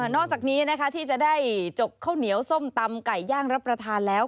นอกจากนี้นะคะที่จะได้จกข้าวเหนียวส้มตำไก่ย่างรับประทานแล้ว